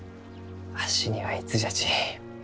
わしにはいつじゃち